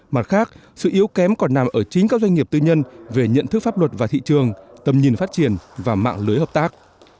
mặt khác sự yếu kém còn nằm ở chính các doanh nghiệp tư nhân về nhận thức pháp luật và thị trường tầm nhìn phát triển và mạng lưới hợp tác